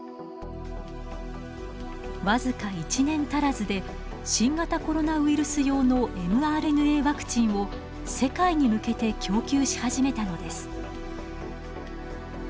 わずか１年足らずで新型コロナウイルス用のｍＲＮＡワクチンを世界に向けて供給し始めたのです。